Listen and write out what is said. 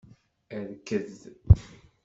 Rked.